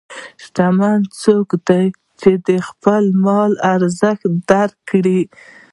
شتمن څوک دی چې د خپل مال ارزښت درک کړي.